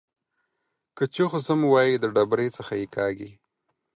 که چوخ ځم وايي د ډبرۍ څخه يې کاږي.